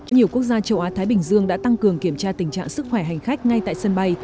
nhiều quốc gia châu á thái bình dương đã tăng cường kiểm tra tình trạng sức khỏe hành khách ngay tại sân bay